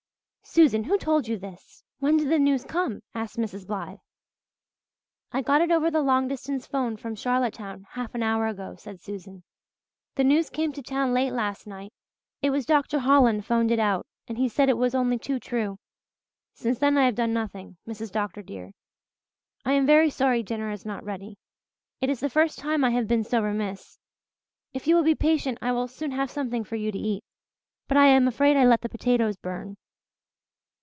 "Susan, who told you this when did the news come?" asked Mrs. Blythe. "I got it over the long distance phone from Charlottetown half an hour ago," said Susan. "The news came to town late last night. It was Dr. Holland phoned it out and he said it was only too true. Since then I have done nothing, Mrs. Dr. dear. I am very sorry dinner is not ready. It is the first time I have been so remiss. If you will be patient I will soon have something for you to eat. But I am afraid I let the potatoes burn."